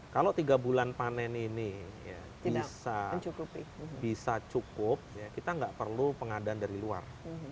kalau tiga bulan panen ini bisa cukup kita nggak perlu pengadaan dari luar